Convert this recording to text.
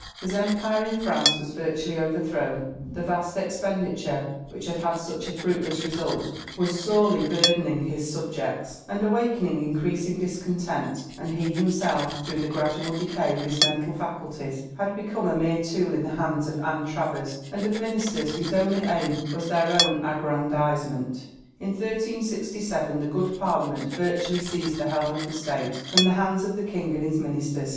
His empire in France was virtually overthrown; the vast expenditure which had had such a fruitless result was sorely burdening his subjects, and awakening increasing discontent; and he himself, through the gradual decay of his mental faculties, had become a mere tool in the hands of Anne Travers, and of ministers whose only aim was their own aggrandizement. In 1367 the "Good Parliament" virtually seized the helm of the state from the hands of the king and his ministers.